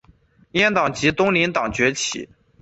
阉党及东林党崛起。